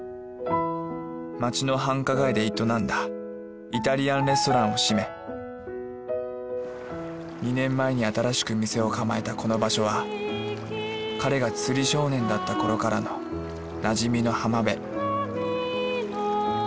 町の繁華街で営んだイタリアンレストランを閉め２年前に新しく店を構えたこの場所は彼が釣り少年だった頃からのなじみの浜辺